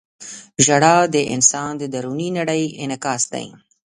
• ژړا د انسان د دروني نړۍ انعکاس دی.